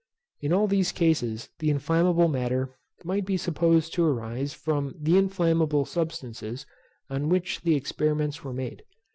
In all these cases the inflammable matter might be supposed to arise from the inflammable substances on which the experiments were made.